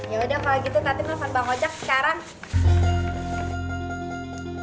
ya udah kalau gitu nanti mau makan bawang ojak sekarang